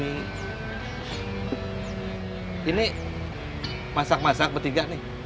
ini masak masak bertiga nih